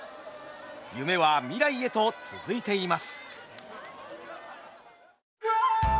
夢は未来へと続いています。